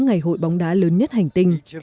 ngày hội bóng đá lớn nhất hành tinh